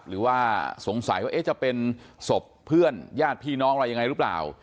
หรือว่าสงสัยว่าจะเป็นศพเพื่อนญาติพี่น้องอะไรยังไงหรือเปล่า